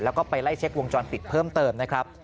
แล้วก็ไปไล่เช็ควงจรปิดเพิ่มเติมนะครับ